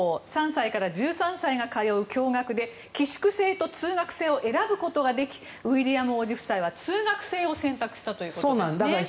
３歳から１３歳が通う共学で寄宿制と通学制を選ぶことができウィリアム王子夫妻は通学制を選択したということなんですね。